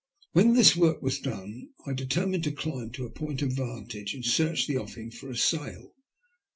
When this work was done I determined to elimb to a point of vantage and search the ofi5ng for a sail.